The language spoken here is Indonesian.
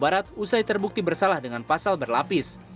sebelum itu bahar sudah selesai terbukti bersalah dengan pasal berlapis